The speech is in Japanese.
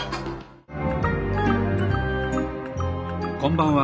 こんばんは。